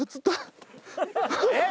えっ？